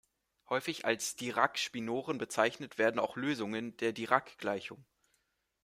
Häufig als Dirac-Spinoren bezeichnet werden auch Lösungen der Dirac-Gleichung.